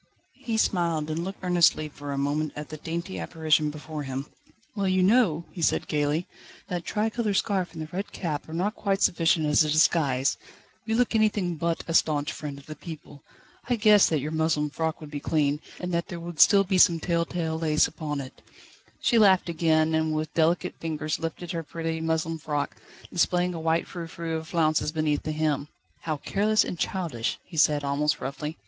He smiled, and looked earnestly for a moment at the dainty apparition before him. "Well, you know!" he said gaily, "that tricolour scarf and the red cap are not quite sufficient as a disguise: you look anything but a staunch friend of the people. I guessed that your muslin frock would be clean, and that there would still be some tell tale lace upon it." She laughed again, and with delicate fingers lifted her pretty muslin frock, displaying a white frou frou of flounces beneath the hem. "How careless and childish!" he said, almost roughly.